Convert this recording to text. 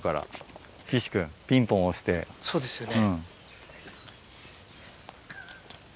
そうですよね。